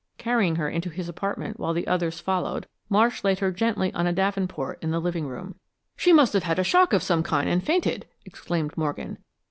Carrying her into his apartment, while the others followed, Marsh laid her gently on a davenport in the living room. "She must have had a shock of some kind and fainted," exclaimed Morgan.